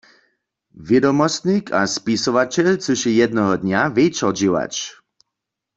Wědomostnik a spisowaćel chcyše jednoho dnja wječor dźěłać.